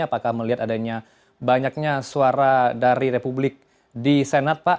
apakah melihat adanya banyaknya suara dari republik di senat pak